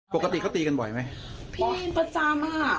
ปกติเขาตีกันบ่อยไหมตีประจำค่ะ